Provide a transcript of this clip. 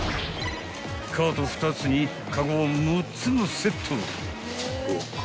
［カート２つにカゴを６つもセット］